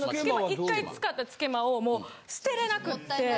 一回使ったつけまをもう捨てれなくって。